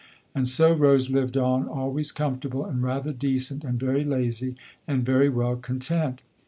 And so Rose lived on, always comfortable and rather decent and very lazy and very well content.